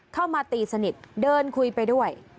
เข้ามาตีสนิทเดินคุยไปด้วย